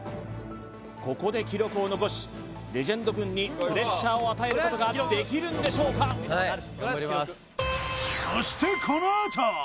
ここで記録を残しレジェンド軍にプレッシャーを与えることができるんでしょうかはい頑張ります